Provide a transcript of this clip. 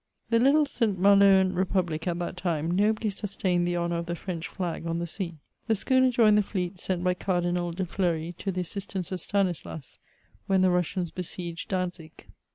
The little Saint Maloan repubUc at that time nobly sus tained the honour of the French flag on the sea. The schooner joined the fleet sent by Cardinal de Fleury to the assistance of Stiemislas, when the Russians besieged Dantzick.